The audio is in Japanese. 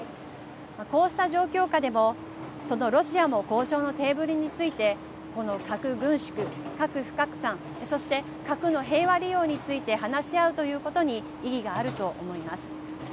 こうした状況下でもそのロシアも交渉のテーブルについてこの核軍縮、核不拡散そして、核の平和利用について話し合うということに意義があると思います。